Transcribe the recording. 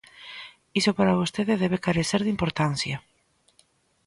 _Iso para vostede debe carecer de importancia;